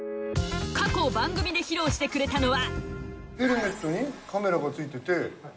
過去番組で披露してくれたのは。